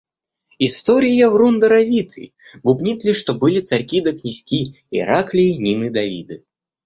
История — врун даровитый, бубнит лишь, что были царьки да князьки: Ираклии, Нины, Давиды.